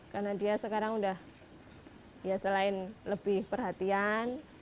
karena dia sekarang udah selain lebih perhatian